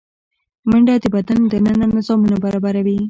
منډه د بدن دننه نظامونه برابروي